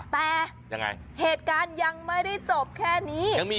แต่เหตุการณ์ยังไม่ได้จบแค่นี้